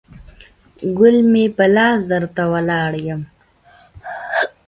ګل مې په لاس درته ولاړ یم